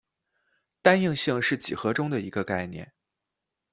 单应性是几何中的一个概念。